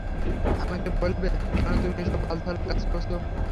আমাকে বলবে কেন তুমি এসব বাল-ছাল কাজ করছো?